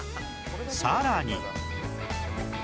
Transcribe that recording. さらに